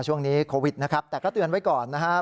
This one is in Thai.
ช่วงนี้โควิดนะครับแต่ก็เตือนไว้ก่อนนะครับ